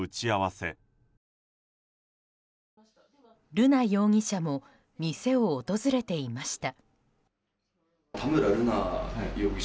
瑠奈容疑者も店を訪れていました。